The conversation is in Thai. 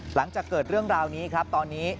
หลังจากเกิดเรื่องราวนี้ครับตอนนี้